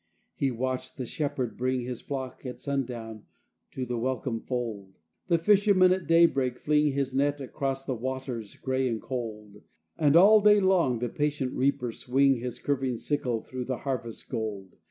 He watched the shepherd bring His flock at sundown to the welcome fold, The fisherman at daybreak fling His net across the waters gray and cold, And all day long the patient reaper swing His curving sickle through the harvest gold.